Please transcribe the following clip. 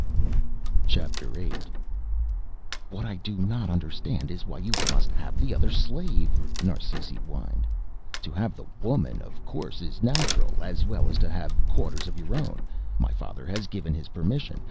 VIII "What I do not understand is why you must have the other slave?" Narsisi whined. "To have the woman of course is natural, as well as to have quarters of your own, my father has given his permission.